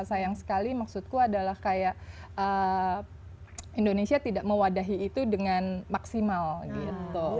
sayang sekali maksudku adalah kayak indonesia tidak mewadahi itu dengan maksimal gitu